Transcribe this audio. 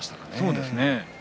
そうですね。